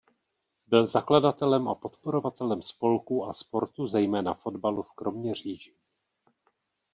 Byl zakladatelem a podporovatelem spolků a sportu zejména fotbalu v Kroměříži.